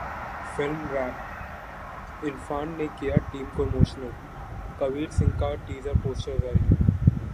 Film Wrap: Irfan ने किया team को इमोशनल, कबीर सिंह का टीजर पोस्टर जारी